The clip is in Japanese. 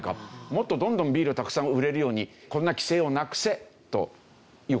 もっとどんどんビールをたくさん売れるようにこんな規制をなくせ！という事になったんですね。